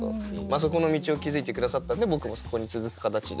そこの道を築いて下さったんで僕もそこに続く形で。